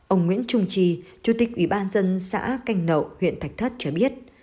ông nguyễn trung trì chủ tịch ủy ban dân xã canh nậu huyện thạch thất cho biết